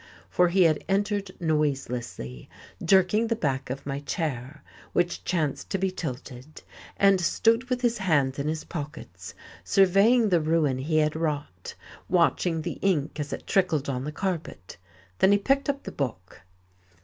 For he had entered noiselessly, jerking the back of my chair, which chanced to be tilted, and stood with his hands in his pockets, surveying the ruin he had wrought, watching the ink as it trickled on the carpet. Then he picked up the book.